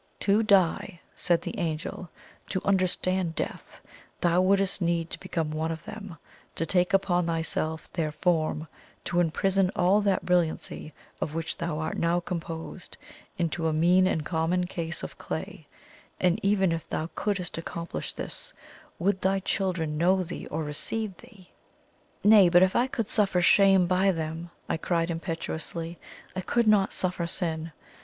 "To die," said the Angel, "to understand death, thou wouldst need to become one of them, to take upon thyself their form to imprison all that brilliancy of which thou art now composed, into a mean and common case of clay; and even if thou couldst accomplish this, would thy children know thee or receive thee?" "Nay, but if I could suffer shame by them," I cried impetuously, "I could not suffer sin.